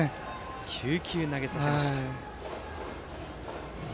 ９球投げさせました。